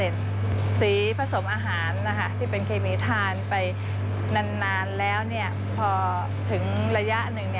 สีผสมอาหารที่เป็นเคมีทานไปนานแล้วพอถึงระยะหนึ่ง